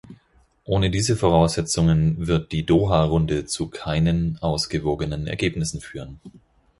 Ohne diese Voraussetzungen wird die Doha-Runde zu keinen ausgewogenen Ergebnissen führen.